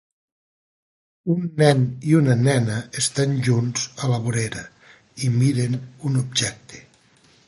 Un nen i una nena estan junts a la vorera i miren un objecte.